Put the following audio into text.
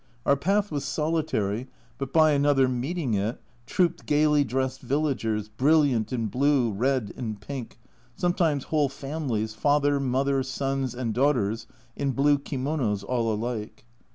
Our path was solitary, but by another meeting it trooped gaily dressed villagers, brilliant in blue, red, and pink sometimes whole families, father, mother, sons, and daughters in blue kimonos all alike.